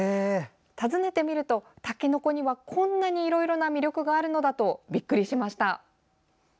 訪ねてみると、たけのこにはこんなにいろいろな魅力があるのだとびっくりしました。